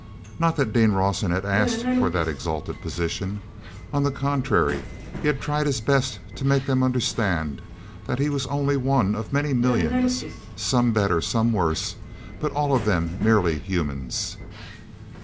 Not that Dean Rawson had asked for that exalted position; on the contrary he had tried his best to make them understand that he was only one of many millions, some better, some worse, but all of them merely humans.